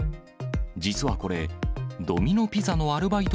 実はこれ、ドミノピザのアルバイト